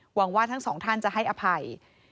หวังว่าทั้งสองท่านจะให้อภัย